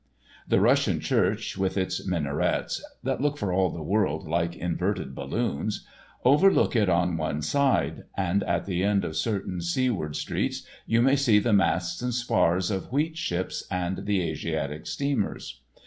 The Russian Church, with its minarets (that look for all the world like inverted balloons) overlook it on one side, and at the end of certain seaward streets you may see the masts and spars of wheat ships and the Asiatic steamers.